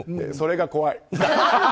それが怖い。